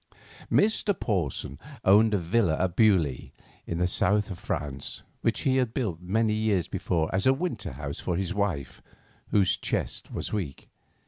Mr. Porson owned a villa at Beaulieu, in the south of France, which he had built many years before as a winter house for his wife, whose chest was weak.